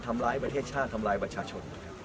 ประเทศชาติทำร้ายประชาชน